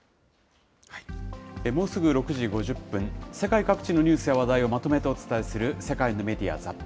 もうすぐ６時５０分、世界各地のニュースや話題をお伝えする、世界のメディア・